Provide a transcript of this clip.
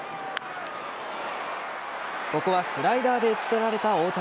ここはスライダーで打ち取られた大谷。